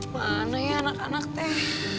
mana ya anak anak teh